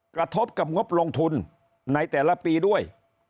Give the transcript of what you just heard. กระทบกับงบลงทุนในแต่ละปีด้วย